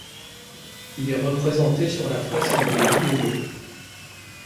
Il est représenté sur la fresque des Lyonnais.